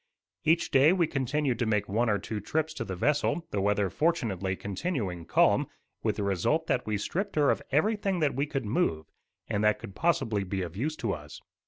Each day we continued to make one or two trips to the vessel, the weather fortunately continuing calm, with the result that we stripped her of everything that we could move, and that could possibly be of use to us.